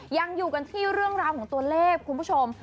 ยังอยู่กันที่เรื่องราวของตัวเลขคุณผู้ชม